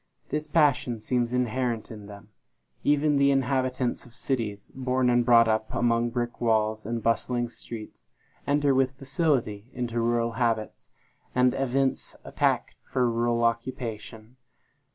This passion seems inherent in them. Even the inhabitants of cities, born and brought up among brick walls and bustling streets, enter with facility into rural habits, and evince a tact for rural occupation.